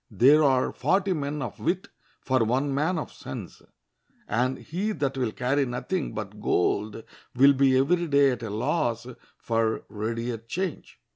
There are forty men of wit for one man of sense, and he that will carry nothing but gold will be every day at a loss for readier change.